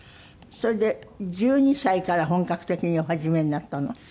それで１２歳から本格的にお始めになったの？